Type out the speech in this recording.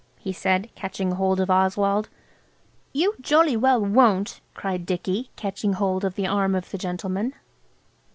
HE SAID, CATCHING HOLD OF OSWALD. "You jolly well won't," cried Dicky, catching hold of the arm of the gentleman.